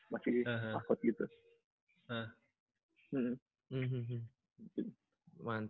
kayak masih takut gitu